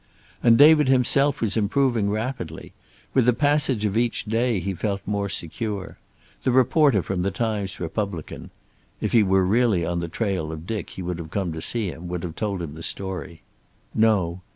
And David himself was improving rapidly. With the passage of each day he felt more secure. The reporter from the Times Republican if he were really on the trail of Dick he would have come to see him, would have told him the story. No.